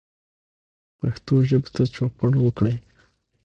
پښتو ژبې ته چوپړ وکړئ